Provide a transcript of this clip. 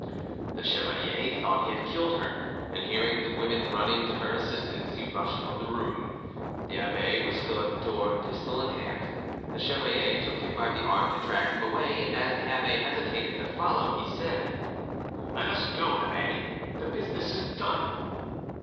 The chevalier thought he had killed her, and hearing the women running to her assistance, he rushed from the room. The abbe was still at the door, pistol in hand; the chevalier took him by the arm to drag him away, and as the abbe hesitated to follow, he said:— "Let us go, abbe; the business is done."